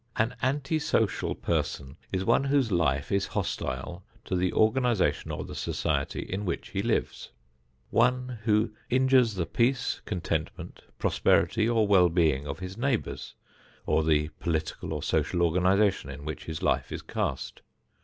An anti social person is one whose life is hostile to the organization or the society in which he lives; one who injures the peace, contentment, prosperity or well being of his neighbors, or the political or social organization in which his life is cast.